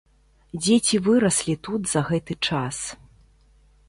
Дзеці выраслі тут за гэты час.